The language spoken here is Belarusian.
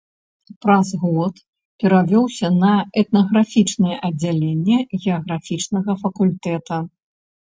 Праз год перавёўся на этнаграфічнае аддзяленне геаграфічнага факультэта.